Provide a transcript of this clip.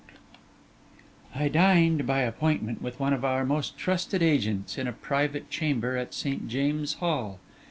I dined by appointment with one of our most trusted agents, in a private chamber at St. James's Hall.